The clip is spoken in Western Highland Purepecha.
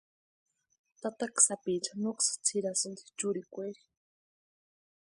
Tataka sápicha noksï tsʼirasïnti churikweeri.